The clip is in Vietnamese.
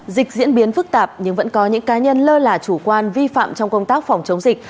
dịch diễn biến phức tạp nhưng vẫn có những cá nhân lơ là chủ quan vi phạm trong công tác phòng chống dịch